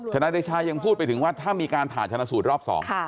นายเดชายังพูดไปถึงว่าถ้ามีการผ่าชนะสูตรรอบ๒